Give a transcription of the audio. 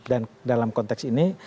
dan dalam konteks ini